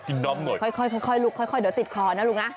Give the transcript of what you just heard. ค่อยลูกเดี๋ยวติดคอนะลูกนะ